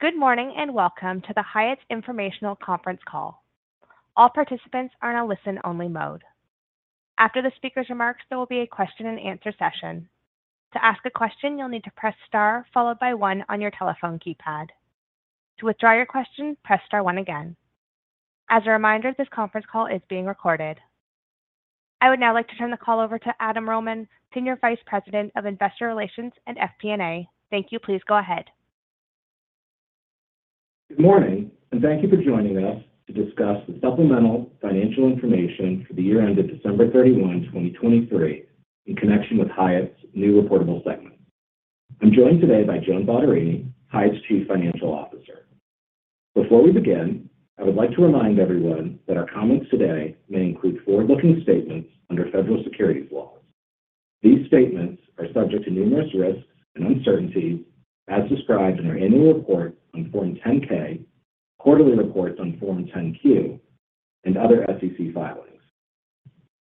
Good morning, and welcome to the Hyatt Informational Conference Call. All participants are in a listen-only mode. After the speaker's remarks, there will be a question-and-answer session. To ask a question, you'll need to press star, followed by one on your telephone keypad. To withdraw your question, press star one again. As a reminder, this conference call is being recorded. I would now like to turn the call over to Adam Rohman, Senior Vice President of Investor Relations and FP&A. Thank you. Please go ahead. Good morning, and thank you for joining us to discuss the supplemental financial information for the year ended December 31, 2023, in connection with Hyatt's new reportable segment. I'm joined today by Joan Bottarini, Hyatt's Chief Financial Officer. Before we begin, I would like to remind everyone that our comments today may include forward-looking statements under federal securities laws. These statements are subject to numerous risks and uncertainties as described in our annual report on Form 10-K, quarterly reports on Form 10-Q, and other SEC filings.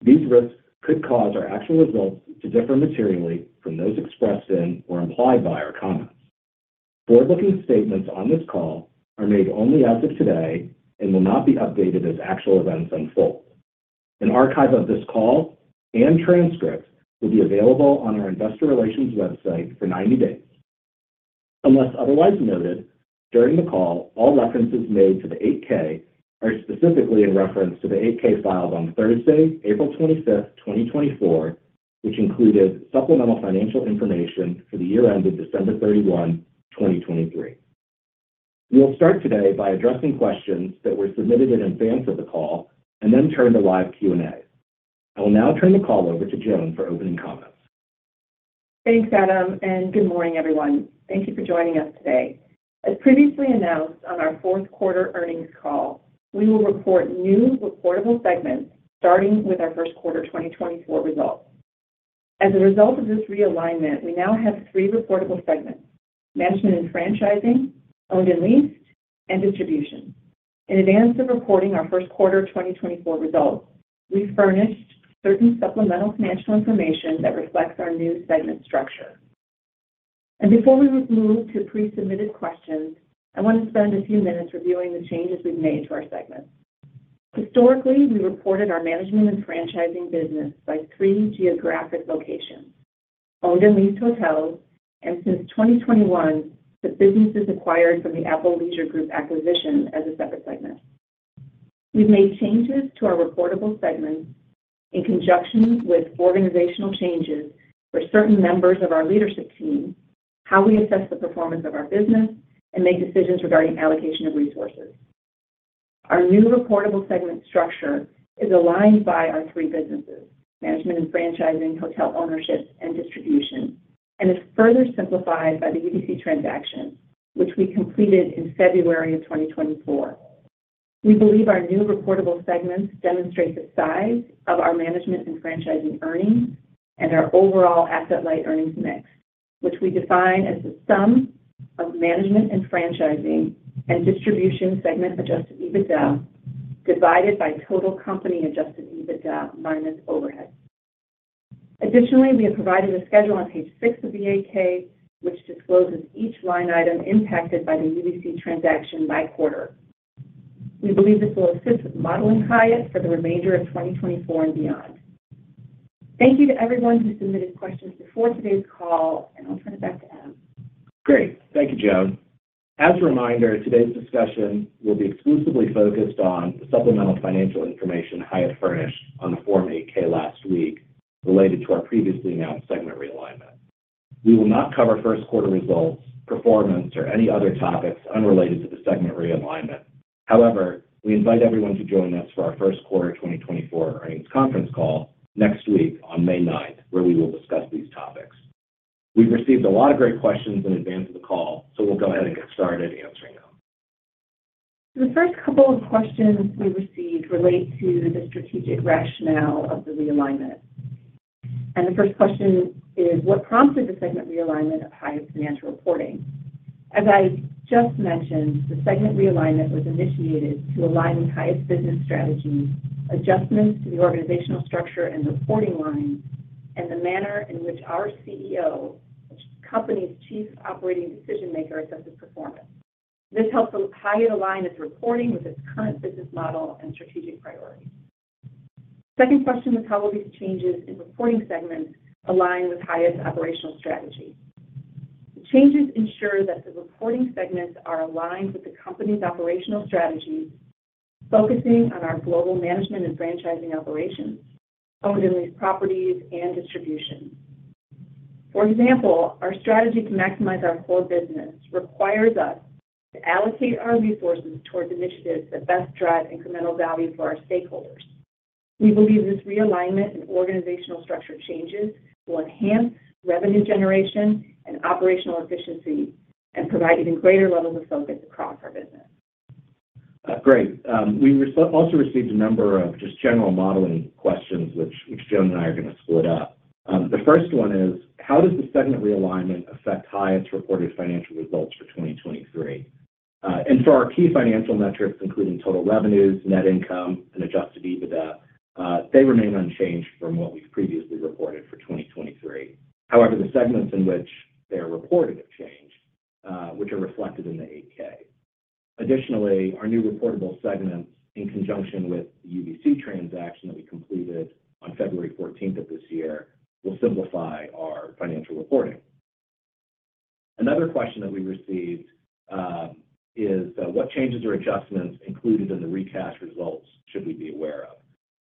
These risks could cause our actual results to differ materially from those expressed in or implied by our comments. Forward-looking statements on this call are made only as of today and will not be updated as actual events unfold. An archive of this call and transcript will be available on our investor relations website for 90 days. Unless otherwise noted, during the call, all references made to the 8-K are specifically in reference to the 8-K filed on Thursday, April 25, 2024, which included supplemental financial information for the year ended December 31, 2023. We will start today by addressing questions that were submitted in advance of the call and then turn to live Q&A. I will now turn the call over to Joan for opening comments. Thanks, Adam, and good morning, everyone. Thank you for joining us today. As previously announced on our fourth quarter earnings call, we will report new reportable segments starting with our first quarter 2024 results. As a result of this realignment, we now have three reportable segments: Management and Franchising, Owned and Leased, and Distribution. In advance of reporting our first quarter 2024 results, we furnished certain supplemental financial information that reflects our new segment structure. Before we move to pre-submitted questions, I want to spend a few minutes reviewing the changes we've made to our segments. Historically, we reported our Management and Franchising business by three geographic locations, Owned and Leased hotels, and since 2021, the businesses acquired from the Apple Leisure Group acquisition as a separate segment. We've made changes to our reportable segments in conjunction with organizational changes for certain members of our leadership team, how we assess the performance of our business, and make decisions regarding allocation of resources. Our new reportable segment structure is aligned by our three businesses: Management and Franchising, Hotel Ownership, and Distribution, and is further simplified by the UVC transaction, which we completed in February 2024. We believe our new reportable segments demonstrate the size of our Management and Franchising earnings and our overall asset-light earnings mix, which we define as the sum of Management and Franchising and Distribution segment Adjusted EBITDA divided by total company Adjusted EBITDA minus overhead. Additionally, we have provided a schedule on page six of the 8-K, which discloses each line item impacted by the UVC transaction by quarter. We believe this will assist with modeling Hyatt for the remainder of 2024 and beyond. Thank you to everyone who submitted questions before today's call, and I'll turn it back to Adam. Great. Thank you, Joan. As a reminder, today's discussion will be exclusively focused on the supplemental financial information Hyatt furnished on the Form 8-K last week related to our previously announced segment realignment. We will not cover first-quarter results, performance, or any other topics unrelated to the segment realignment. However, we invite everyone to join us for our first quarter 2024 earnings conference call next week on May 9th, where we will discuss these topics. We've received a lot of great questions in advance of the call, so we'll go ahead and get started answering them. The first couple of questions we received relate to the strategic rationale of the realignment. The first question is: What prompted the segment realignment of Hyatt's financial reporting? As I just mentioned, the segment realignment was initiated to align with Hyatt's business strategy, adjustments to the organizational structure and reporting lines, and the manner in which our CEO, the company's chief operating decision-maker, assesses performance. This helps Hyatt align its reporting with its current business model and strategic priorities. Second question is, how will these changes in reporting segments align with Hyatt's operational strategy? The changes ensure that the reporting segments are aligned with the company's operational strategy, focusing on our global Management and Franchising operations, Owned and Leased properties, and Distribution. For example, our strategy to maximize our core business requires us to allocate our resources towards initiatives that best drive incremental value for our stakeholders. We believe this realignment and organizational structure changes will enhance revenue generation and operational efficiency and provide an even greater level of focus across our business. Great. We also received a number of just general modeling questions, which Joan and I are going to split up. The first one is: How does the segment realignment affect Hyatt's reported financial results for 2023? And for our key financial metrics, including total revenues, net income, and Adjusted EBITDA, they remain unchanged from what we've previously reported for 2023. However, the segments in which they are reported have changed, which are reflected in the 8-K. Additionally, our new reportable segments, in conjunction with the UVC transaction that we completed on February fourteenth of this year, will simplify our financial reporting. Another question that we received is, what changes or adjustments included in the recast results should we be aware of?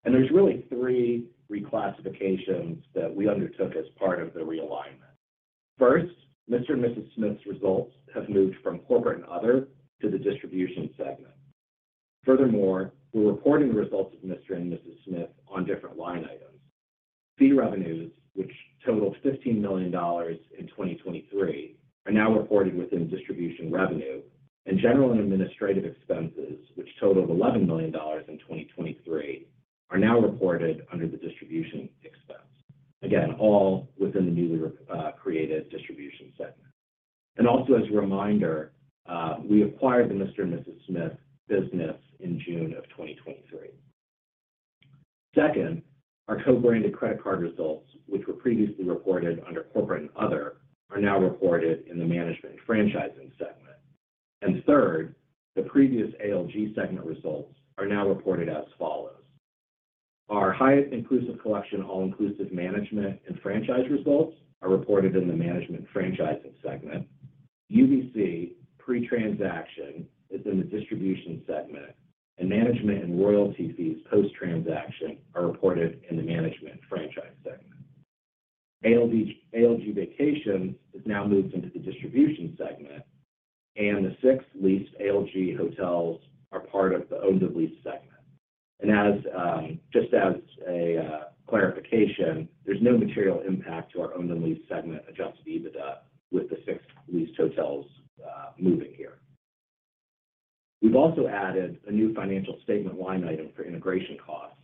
And there's really three reclassifications that we undertook as part of the realignment. First, Mr & Mrs Smith's results have moved from corporate and other to the Distribution segment. Furthermore, we're reporting the results of Mr & Mrs Smith on different line items. Fee revenues, which totaled $15 million in 2023, are now reported within Distribution revenue, and general and administrative expenses, which totaled $11 million in 2023, are now reported under the Distribution expense. Again, all within the newly created Distribution segment. And also, as a reminder, we acquired the Mr & Mrs Smith business in June of 2023. Second, our co-branded credit card results, which were previously reported under corporate and other, are now reported in the Management and Franchising segment. And third, the previous ALG segment results are now reported as follows: Our Hyatt Inclusive Collection, all inclusive management and franchise results, are reported in the Management and Franchising segment. UVC, pre-transaction, is in the Distribution segment, and management and royalty fees, post-transaction, are reported in Management and Franchising segment. ALG, ALG Vacations has now moved into the Distribution segment, and the six leased ALG hotels are part of the Owned and Leased segment. And just as a clarification, there's no material impact to our Owned and Leased segment Adjusted EBITDA with the six leased hotels moving here. We've also added a new financial statement line item for integration costs,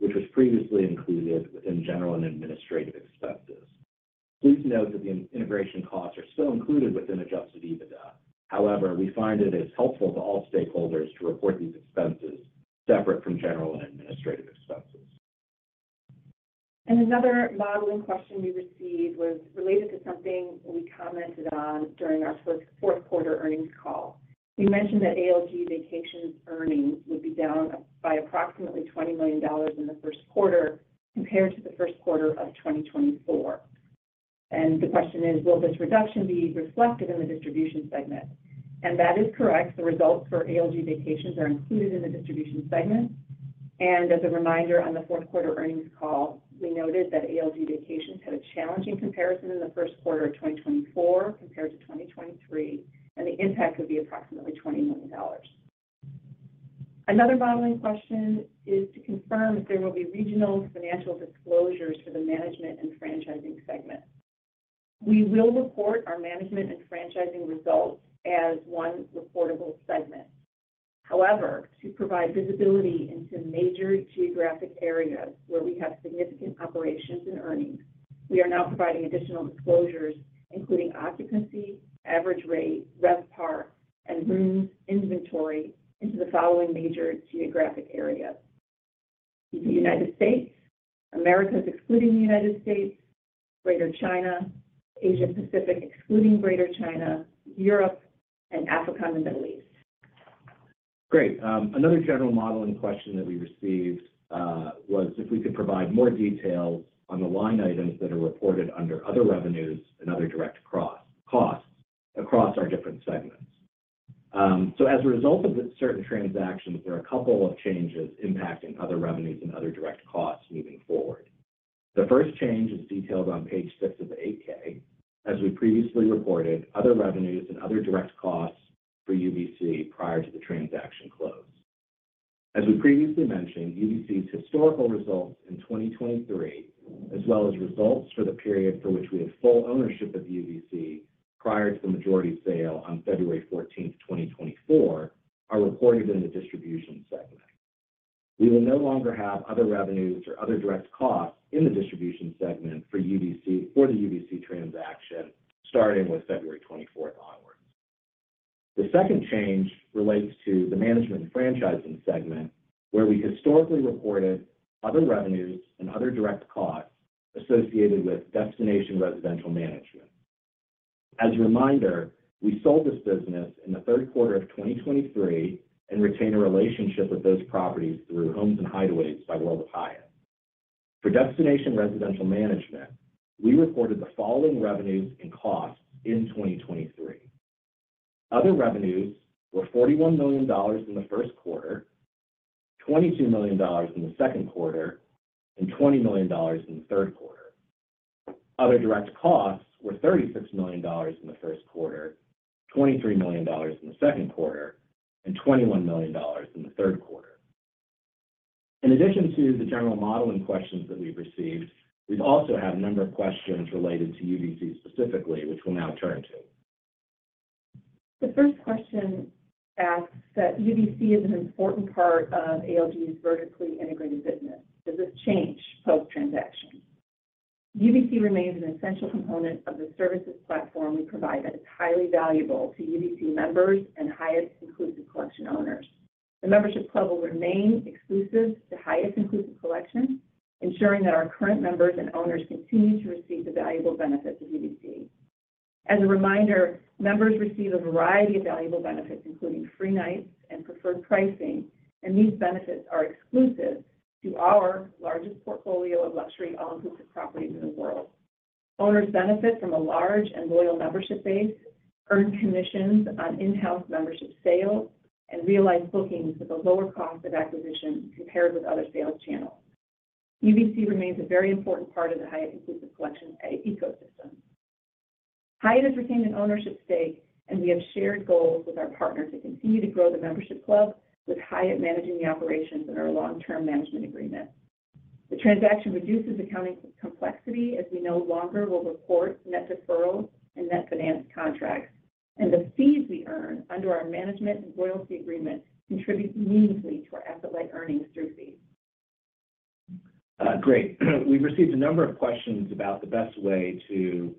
which was previously included within general and administrative expenses. Please note that the integration costs are still included within Adjusted EBITDA. However, we find it as helpful to all stakeholders to report these expenses separate from general and administrative expenses. Another modeling question we received was related to something we commented on during our first fourth quarter earnings call. We mentioned that ALG Vacations earnings would be down by approximately $20 million in the first quarter compared to the first quarter of 2024. The question is: Will this reduction be reflected in the Distribution segment? That is correct. The results for ALG Vacations are included in the Distribution segment. As a reminder, on the fourth quarter earnings call, we noted that ALG Vacations had a challenging comparison in the first quarter of 2024 compared to 2023, and the impact would be approximately $20 million. Another modeling question is to confirm if there will be regional financial disclosures for the Management and Franchising segment. We will report our Management and Franchising results as one reportable segment. However, to provide visibility into major geographic areas where we have significant operations and earnings, we are now providing additional disclosures, including occupancy, average rate, RevPAR, and rooms inventory into the following major geographic areas: the United States, Americas excluding the United States, Greater China, Asia Pacific excluding Greater China, Europe, and Africa and the Middle East. Great. Another general modeling question that we received was if we could provide more detail on the line items that are reported under other revenues and other direct costs across our different segments. So as a result of certain transactions, there are a couple of changes impacting other revenues and other direct costs moving forward. The first change is detailed on page six of the 8-K. As we previously reported, other revenues and other direct costs for UVC prior to the transaction close. As we previously mentioned, UVC's historical results in 2023, as well as results for the period for which we had full ownership of UVC prior to the majority sale on February fourteenth, 2024, are reported in the Distribution segment. We will no longer have other revenues or other direct costs in the Distribution segment for the UVC transaction, starting with February 24 onwards. The second change relates to the Management and Franchising segment, where we historically reported other revenues and other direct costs associated with Destination Residential Management. As a reminder, we sold this business in the third quarter of 2023 and retain a relationship with those properties through Homes & Hideaways by World of Hyatt. For Destination Residential Management, we reported the following revenues and costs in 2023. Other revenues were $41 million in the first quarter, $22 million in the second quarter, and $20 million in the third quarter. Other direct costs were $36 million in the first quarter, $23 million in the second quarter, and $21 million in the third quarter. In addition to the general modeling questions that we've received, we've also had a number of questions related to UVC specifically, which we'll now turn to. The first question asks that UVC is an important part of ALG's vertically integrated business. Does this change post-transaction? UVC remains an essential component of the services platform we provide, that it's highly valuable to UVC members and Hyatt Inclusive Collection owners. The membership club will remain exclusive to Hyatt Inclusive Collection, ensuring that our current members and owners continue to receive the valuable benefits of UVC. As a reminder, members receive a variety of valuable benefits, including free nights and preferred pricing, and these benefits are exclusive to our largest portfolio of luxury all-inclusive properties in the world. Owners benefit from a large and loyal membership base, earn commissions on in-house membership sales, and realize bookings at a lower cost of acquisition compared with other sales channels. UVC remains a very important part of the Hyatt Inclusive Collection ecosystem. Hyatt has retained an ownership stake, and we have shared goals with our partner to continue to grow the membership club, with Hyatt managing the operations and our long-term management agreement. The transaction reduces accounting complexity, as we no longer will report net deferrals and net finance contracts. The fees we earn under our management and royalty agreement contribute meaningfully to our asset-light earnings through fees. Great. We've received a number of questions about the best way to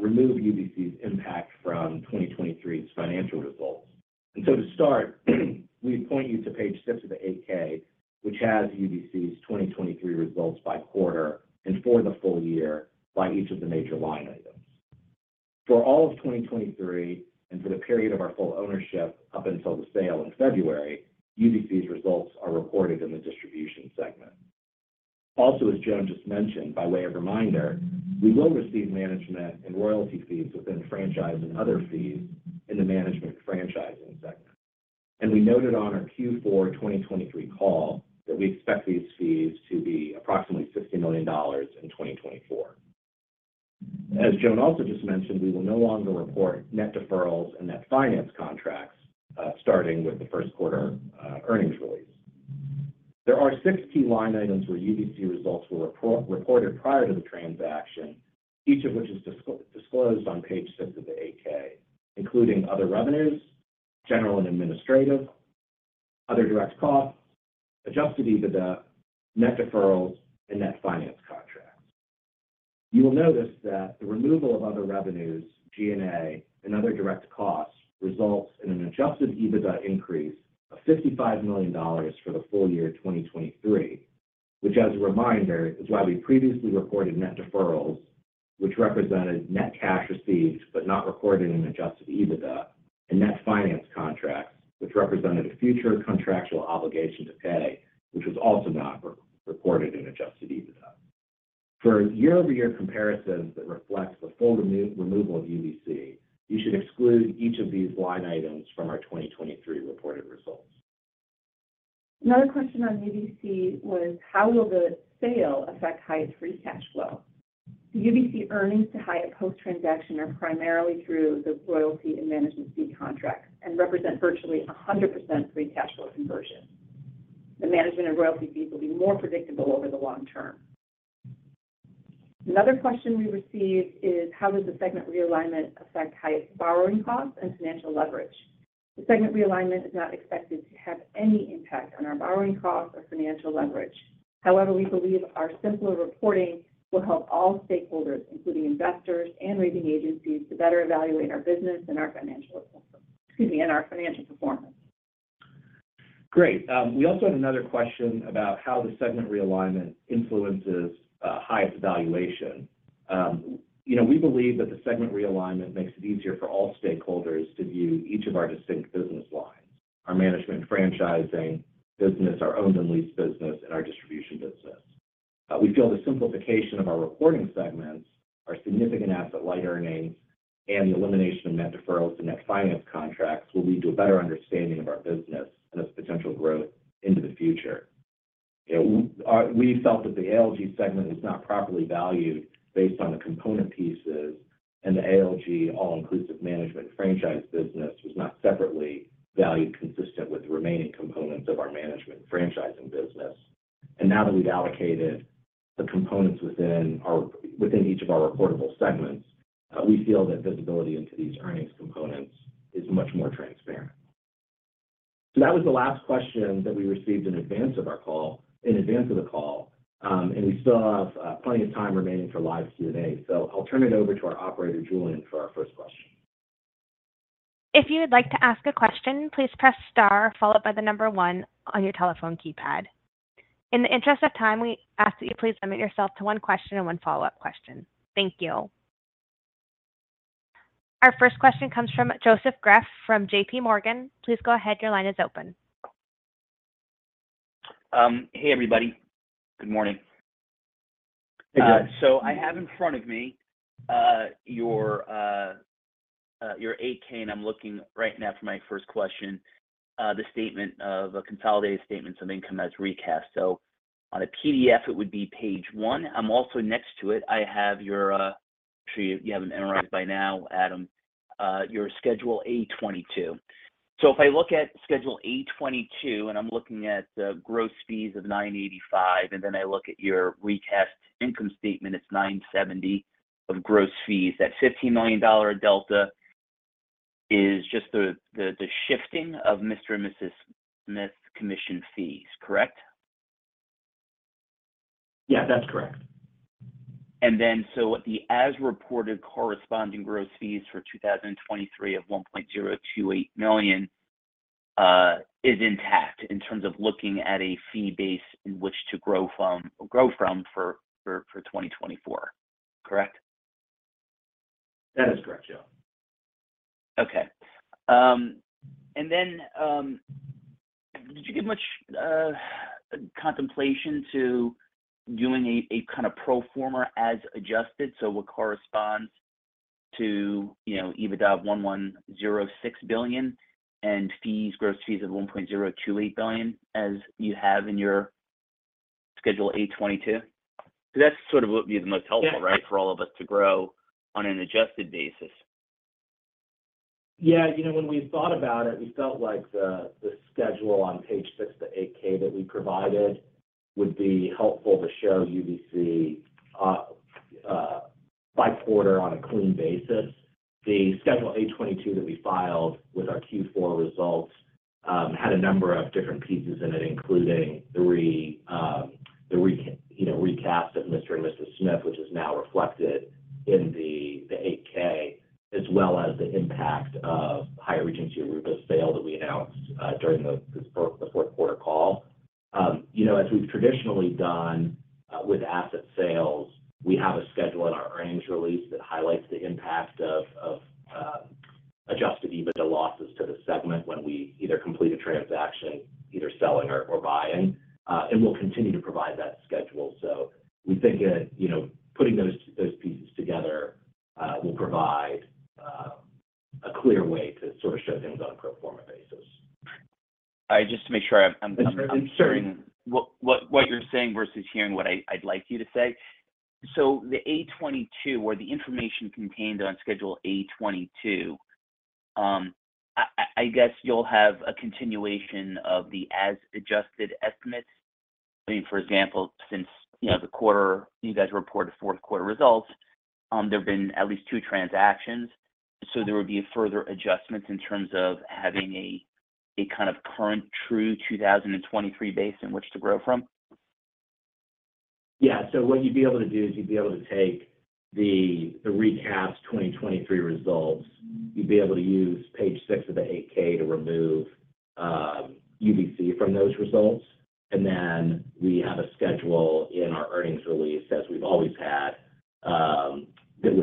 remove UVC's impact from 2023's financial results. So to start, we point you to page six of the 10-K, which has UVC's 2023 results by quarter and for the full year by each of the major line items. For all of 2023, and for the period of our full ownership up until the sale in February, UVC's results are reported in the Distribution segment. Also, as Joan just mentioned, by way of reminder, we will receive management and royalty fees within franchise and other fees in the Management and Franchising segment. And we noted on our Q4 2023 call that we expect these fees to be approximately $50 million in 2024. As Joan also just mentioned, we will no longer report net deferrals and net finance contracts starting with the first quarter earnings release. There are six key line items where UVC results were reported prior to the transaction, each of which is disclosed on page six of the 8-K, including other revenues, general and administrative, other direct costs, Adjusted EBITDA, net deferrals, and net finance contracts. You will notice that the removal of other revenues, G&A, and other direct costs results in an Adjusted EBITDA increase of $55 million for the full year 2023, which, as a reminder, is why we previously reported net deferrals, which represented net cash received, but not recorded in Adjusted EBITDA and net finance contracts, which represented a future contractual obligation to pay, which was also not reported in Adjusted EBITDA. For year-over-year comparisons that reflects the full removal of UVC, you should exclude each of these line items from our 2023 reported results. Another question on UVC was: How will the sale affect Hyatt's free cash flow? The UVC earnings to Hyatt post-transaction are primarily through the royalty and management fee contracts and represent virtually 100% free cash flow conversion. The management and royalty fees will be more predictable over the long term. Another question we received is: How does the segment realignment affect Hyatt's borrowing costs and financial leverage? The segment realignment is not expected to have any impact on our borrowing costs or financial leverage. However, we believe our simpler reporting will help all stakeholders, including investors and rating agencies, to better evaluate our business and our financial performance, excuse me, and our financial performance. Great. We also had another question about how the segment realignment influences, Hyatt's valuation. You know, we believe that the segment realignment makes it easier for all stakeholders to view each of our distinct business lines, our Management and Franchising business, our Owned and Leased business, and our Distribution business. We feel the simplification of our reporting segments are significant asset-light earnings, and the elimination of net deferrals and net finance contracts will lead to a better understanding of our business and its potential growth into the future. You know, we felt that the ALG segment is not properly valued based on the component pieces, and the ALG All-Inclusive Management Franchise business was not separately valued, consistent with the remaining components of our Management and Franchising business. And now that we've allocated the components within each of our reportable segments, we feel that visibility into these earnings components is much more transparent. So that was the last question that we received in advance of our call, in advance of the call, and we still have plenty of time remaining for live Q&A. So I'll turn it over to our operator, Julian, for our first question. If you would like to ask a question, please press star followed by the number one on your telephone keypad. In the interest of time, we ask that you please limit yourself to one question and one follow-up question. Thank you. Our first question comes from Joseph Greff, from JPMorgan. Please go ahead. Your line is open. Hey, everybody. Good morning. Hey, Joe. So I have in front of me your 8-K, and I'm looking right now for my first question, the consolidated statements of income as recast. So on a PDF, it would be page one. Also next to it, I have your, I'm sure you have it analyzed by now, Adam, your Schedule 14A. So if I look at Schedule 14A, and I'm looking at the gross fees of $985 million, and then I look at your recast income statement, it's $970 million of gross fees. That $15 million delta is just the shifting of Mr. & Mrs. Smith's commission fees, correct? Yeah, that's correct. The as-reported corresponding gross fees for 2023 of $1.028 million is intact in terms of looking at a fee base in which to grow from, or grow from for 2024, correct? That is correct, Joe. Okay. And then, did you give much contemplation to doing a kind of pro forma as adjusted, so what corresponds to, you know, EBITDA of $1.106 billion and fees, gross fees of $1.028 billion, as you have in your Schedule A-22? That's sort of what would be the most helpful, right? Yeah. For all of us to grow on an adjusted basis. Yeah. You know, when we thought about it, we felt like the schedule on page six of the 8-K that we provided would be helpful to show UVC by quarter on a clean basis. The Schedule A-22 that we filed with our Q4 results had a number of different pieces in it, including the recast of Mr. & Mrs. Smith, which is now reflected in the 8-K, as well as the impact of Hyatt Regency Aruba sale that we announced during the fourth quarter call. You know, as we've traditionally done with asset sales, we have a schedule in our earnings release that highlights the impact of Adjusted EBITDA losses to the segment when we either complete a transaction, either selling or buying. And we'll continue to provide that schedule. So we think that, you know, putting those, those pieces together, will provide a clear way to sort of show things on a pro forma basis. I just to make sure I'm. Sure. -hearing what you're saying versus hearing what I'd like you to say. So the A-22, or the information contained on Schedule A-22, I guess you'll have a continuation of the as-adjusted estimates. I mean, for example, since, you know, the quarter, you guys reported fourth quarter results, there have been at least two transactions, so there would be further adjustments in terms of having a kind of current true 2023 base in which to grow from? Yeah. So what you'd be able to do is you'd be able to take the recast 2023 results. You'd be able to use page six of the 8-K to remove UVC from those results, and then we have a schedule in our earnings release, as we've always had, that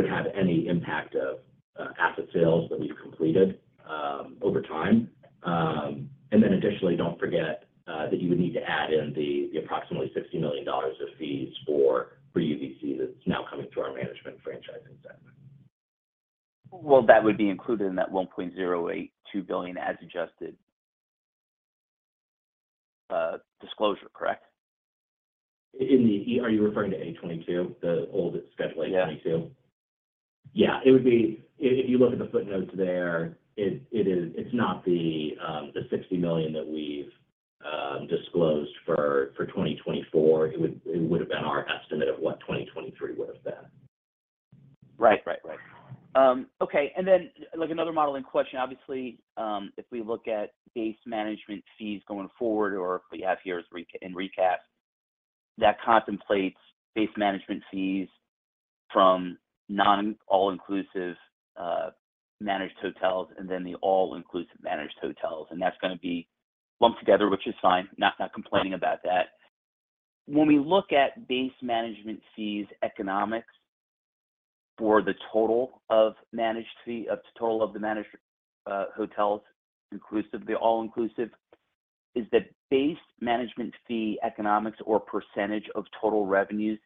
would have any impact of asset sales that we've completed over time. And then additionally, don't forget that you would need to add in the approximately $60 million of fees for UVC that's now coming to our management franchise incentive. Well, that would be included in that $1.082 billion as adjusted disclosure, correct? Are you referring to A-22, the old Schedule A-22? Yeah. Yeah. It would be. If you look at the footnotes there, it is. It's not the $60 million that we've disclosed for 2024. It would have been our estimate of what 2023 would have been. Right. Right. Right. Okay, and then, like, another modeling question. Obviously, if we look at base management fees going forward, or what you have here is recast, that contemplates base management fees from non-all-inclusive managed hotels, and then the all-inclusive managed hotels, and that's gonna be lumped together, which is fine. Not complaining about that. When we look at base management fees economics for the total of managed fee, total of the managed hotels, inclusive, the all-inclusive, is the base management fee economics or percentage of total revenues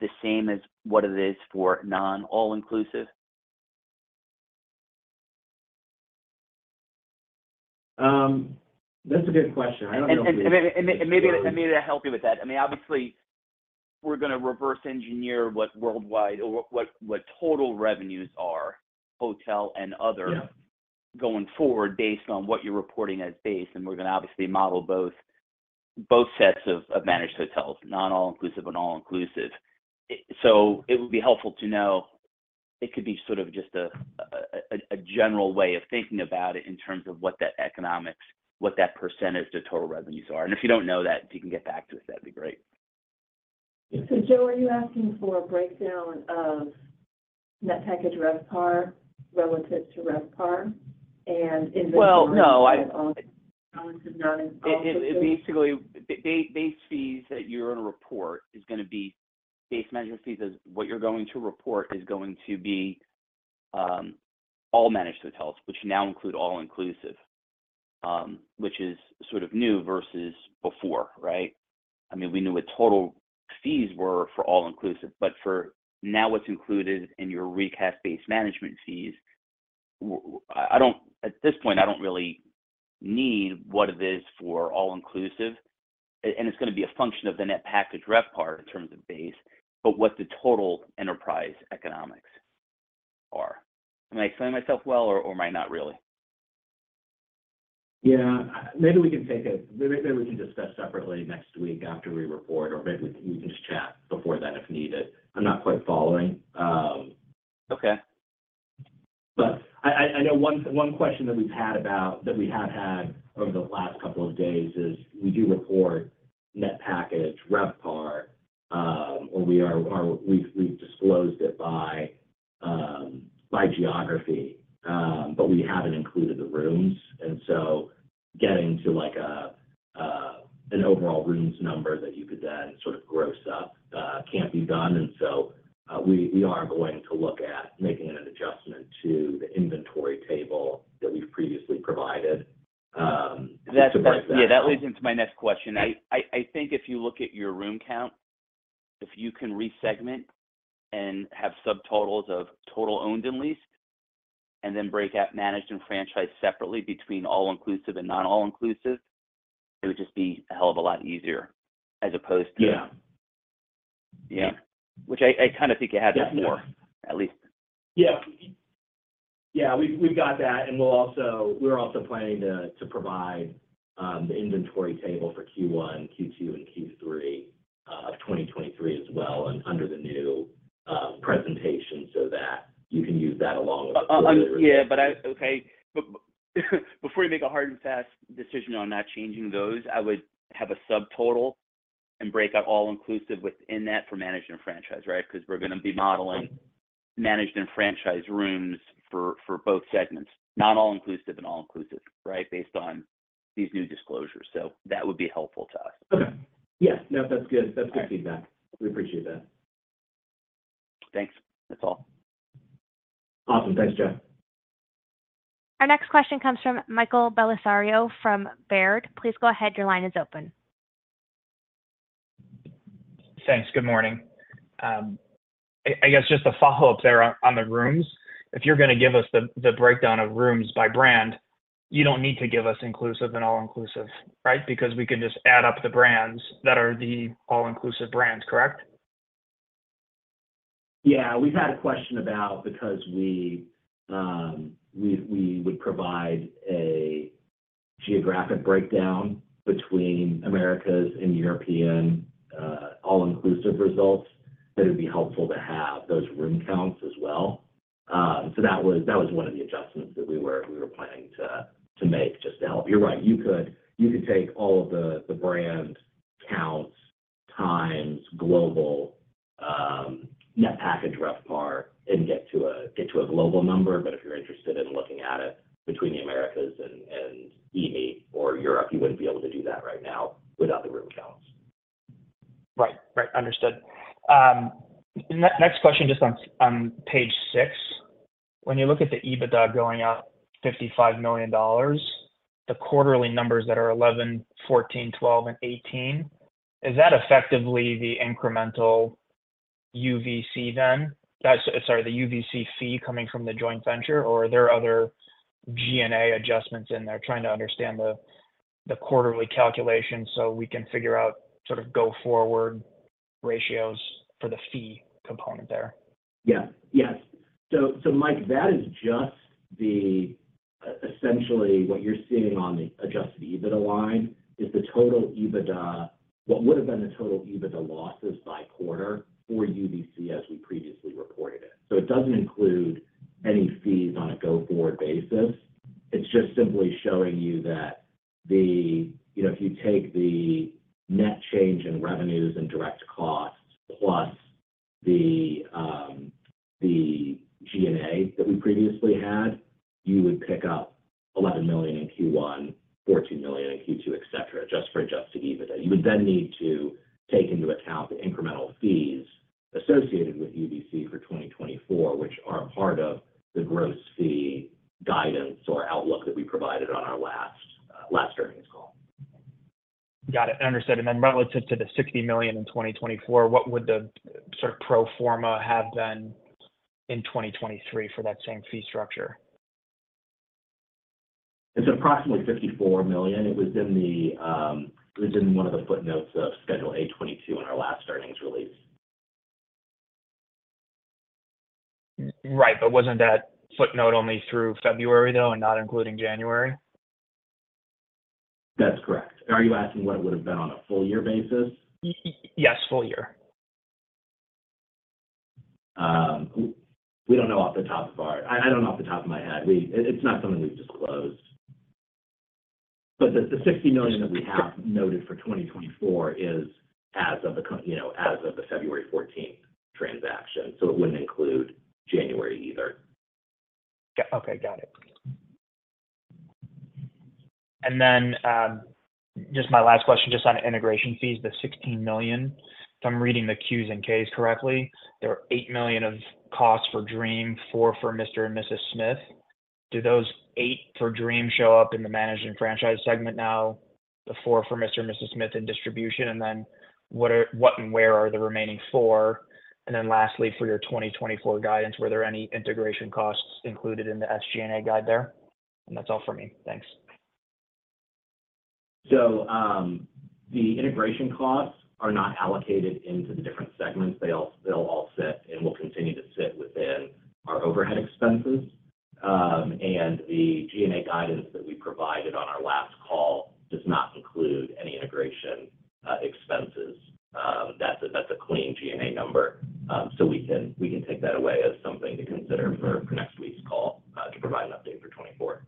the same as what it is for non-all-inclusive? That's a good question. I don't know if we- And maybe I'll help you with that. I mean, obviously, we're gonna reverse engineer what worldwide or what total revenues are, hotel and other- Yeah... going forward based on what you're reporting as base, and we're gonna obviously model both sets of managed hotels, not all-inclusive and all-inclusive. So it would be helpful to know. It could be sort of just a general way of thinking about it in terms of what that economics, what that percentage of total revenues are. And if you don't know that, if you can get back to us, that'd be great. So Joe, are you asking for a breakdown of Net Package RevPAR relative to RevPAR and investment? Well, no. All-inclusive, non-inclusive. Basically, the base fees that you're gonna report is gonna be base management fees. What you're going to report is going to be all managed hotels, which now include all-inclusive, which is sort of new versus before, right? I mean, we knew what total fees were for all-inclusive, but for now what's included in your recast base management fees. At this point, I don't really need what it is for all-inclusive, and it's gonna be a function of the net package RevPAR in terms of base, but what the total enterprise economics are. Am I explaining myself well, or am I not really?... Yeah, maybe we can take it, maybe, maybe we can discuss separately next week after we report, or maybe we can just chat before then if needed. I'm not quite following. Okay. But I know one question that we have had over the last couple of days is, we do report Net Package RevPAR, or we've disclosed it by geography. But we haven't included the rooms, and so getting to, like, an overall rooms number that you could then sort of gross up can't be done, and so we are going to look at making an adjustment to the inventory table that we've previously provided to provide that. Yeah, that leads into my next question. Yeah. I think if you look at your room count, if you can re-segment and have subtotals of total Owned and Leased, and then break out managed and franchised separately between all-inclusive and not all-inclusive, it would just be a hell of a lot easier as opposed to- Yeah. Yeah. Which I kind of think you have that more, at least. Yeah. Yeah, we've got that, and we're also planning to provide the inventory table for Q1, Q2, and Q3 of 2023 as well, and under the new presentation, so that you can use that along with- Yeah, but okay. But before you make a hard and fast decision on not changing those, I would have a subtotal and break out all-inclusive within that for managed and franchised, right? Because we're gonna be modeling managed and franchised rooms for, for both segments, not all-inclusive and all-inclusive, right? Based on these new disclosures. So that would be helpful to us. Okay. Yes. No, that's good. Okay. That's good feedback. We appreciate that. Thanks. That's all. Awesome. Thanks, Jeff. Our next question comes from Michael Bellisario from Baird. Please go ahead. Your line is open. Thanks. Good morning. I guess just a follow-up there on the rooms. If you're gonna give us the breakdown of rooms by brand, you don't need to give us inclusive and all-inclusive, right? Because we can just add up the brands that are the all-inclusive brands, correct? Yeah. We've had a question about, because we would provide a geographic breakdown between Americas and European all-inclusive results, that it would be helpful to have those room counts as well. So that was one of the adjustments that we were planning to make just to help. You're right, you could take all of the brand counts, times global Net Package RevPAR, and get to a global number. But if you're interested in looking at it between the Americas and EMEA or Europe, you wouldn't be able to do that right now without the room counts. Right. Right. Understood. Next question, just on page six. When you look at the EBITDA going out $55 million, the quarterly numbers that are 11, 14, 12, and 18, is that effectively the incremental UVC then? That's... Sorry, the UVC fee coming from the joint venture, or are there other G&A adjustments in there? Trying to understand the quarterly calculation so we can figure out sort of go forward ratios for the fee component there. Yeah. Yes. So, so Mike, that is just the, essentially, what you're seeing on the Adjusted EBITDA line, is the total EBITDA, what would have been the total EBITDA losses by quarter for UVC as we previously reported it. So it doesn't include any fees on a go-forward basis. It's just simply showing you that the, you know, if you take the net change in revenues and direct costs, plus the, the G&A that we previously had, you would pick up $11 million in Q1, $14 million in Q2, et cetera, just for Adjusted EBITDA. You would then need to take into account the incremental fees associated with UVC for 2024, which are a part of the gross fee guidance or outlook that we provided on our last, last earnings call. Got it. Understood. And then relative to the $60 million in 2024, what would the sort of pro forma have been in 2023 for that same fee structure? It's approximately $54 million. It was in one of the footnotes of Schedule A-22 in our last earnings release. Right, but wasn't that footnote only through February, though, and not including January? That's correct. Are you asking what it would have been on a full year basis? Yes, full year. We don't know off the top of my head. It's not something we've disclosed. But the $60 million that we have noted for 2024 is as of the, you know, as of the February fourteenth transaction, so it wouldn't include January either. Yeah. Okay. Got it. And then, just my last question, just on integration fees, the $16 million. If I'm reading the Qs and Ks correctly, there were $8 million of costs for Dream, $4 million for Mr. & Mrs. Smith. Do those $8 million for Dream show up in the managed and franchised segment now, the $4 million for Mr. & Mrs. Smith in Distribution, and then what are what and where are the remaining $4 million? And then lastly, for your 2024 guidance, were there any integration costs included in the SG&A guide there? And that's all for me. Thanks.... So, the integration costs are not allocated into the different segments. They all, they all sit and will continue to sit within our overhead expenses. And the G&A guidance that we provided on our last call does not include any integration expenses. That's a clean G&A number. So we can take that away as something to consider for next week's call to provide an update for 2024.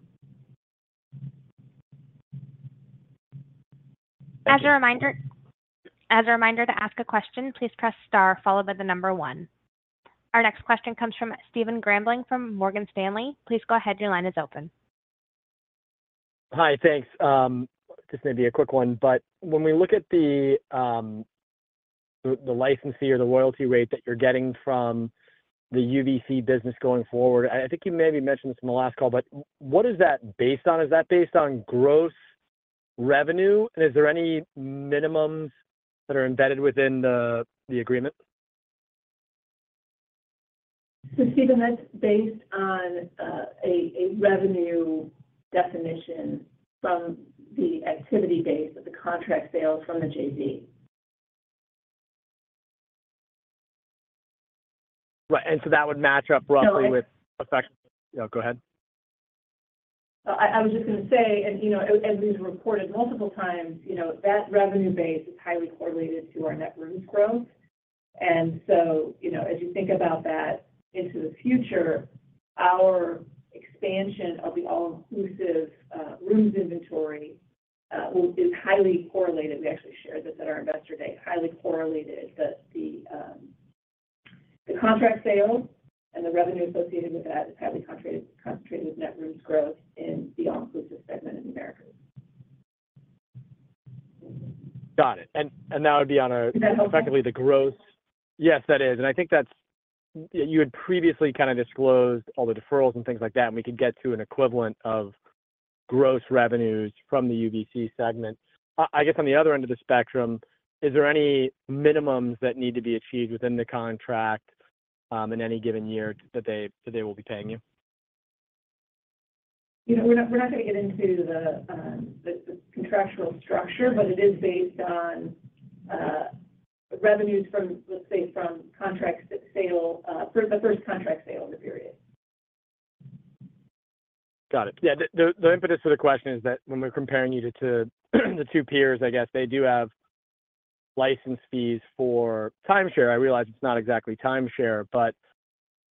As a reminder, to ask a question, please press star followed by the number one. Our next question comes from Stephen Grambling from Morgan Stanley. Please go ahead. Your line is open. Hi, thanks. This may be a quick one, but when we look at the licensee or the royalty rate that you're getting from the UVC business going forward, I think you maybe mentioned this in the last call, but what is that based on? Is that based on gross revenue? And is there any minimums that are embedded within the agreement? So, Steven, that's based on a revenue definition from the activity base of the contract sales from the JV. Right. And so that would match up roughly with. Yeah, go ahead. I was just gonna say, and, you know, as we've reported multiple times, you know, that revenue base is highly correlated to our net rooms growth. And so, you know, as you think about that into the future, our expansion of the all-inclusive rooms inventory is highly correlated. We actually shared this at our investor day, highly correlated that the contract sales and the revenue associated with that is highly concentrated with net rooms growth in the all-inclusive segment in the Americas. Got it. And that would be on a- Does that help? effectively the growth. Yes, that is. And I think that's. You had previously kind of disclosed all the deferrals and things like that, and we could get to an equivalent of gross revenues from the UVC segment. I guess on the other end of the spectrum, is there any minimums that need to be achieved within the contract, in any given year that they will be paying you? You know, we're not gonna get into the contractual structure, but it is based on revenues from, let's say, from contract sale for the first contract sale in the period. Got it. Yeah, the impetus for the question is that when we're comparing you to the two peers, I guess they do have license fees for timeshare. I realize it's not exactly timeshare, but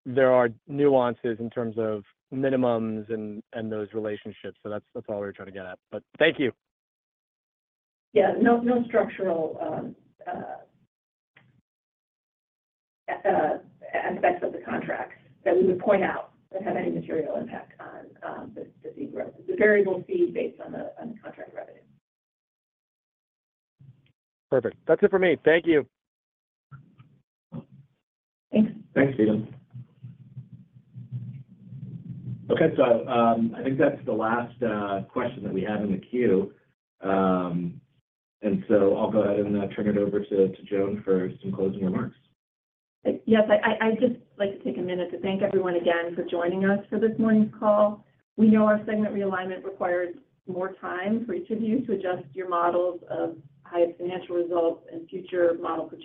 there are nuances in terms of minimums and those relationships. So that's all we're trying to get at. But thank you. Yeah. No, no structural aspects of the contract that we would point out that have any material impact on the fee growth. It's a variable fee based on the contract revenue. Perfect. That's it for me. Thank you. Thanks. Thanks, Stephen. Okay, so, I think that's the last question that we have in the queue. And so I'll go ahead and turn it over to, to Joan for some closing remarks. Yes, I'd just like to take a minute to thank everyone again for joining us for this morning's call. We know our segment realignment requires more time for each of you to adjust your models of Hyatt financial results and future model performance.